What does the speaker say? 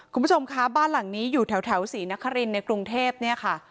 คุณผู้ชมคะบ้านหลังนี้อยู่แถวศรีนครินในกรุงเทพเนี่ยค่ะ